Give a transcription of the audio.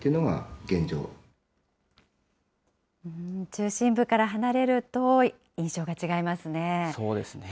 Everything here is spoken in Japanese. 中心部から離れると、印象が違いますね。